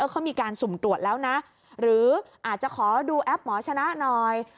เขามีการสุ่มตรวจแล้วนะหรืออาจจะขอดูแอปหมอชนะหน่อย